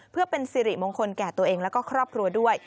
เพื่อเป็นสิริมงคลแก่ตัวเองแล้วก็ครอบครัวด้วย